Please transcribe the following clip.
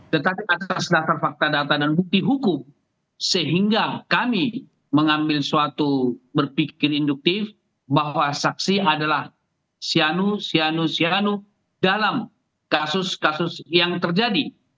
tetapi atas data fakta data dan bukti hukum sehingga kami mengambil suatu berpikir induktif bahwa saksi adalah siano sianu sianu dalam kasus kasus yang terjadi